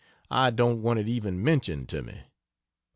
I don't want it even mentioned to me.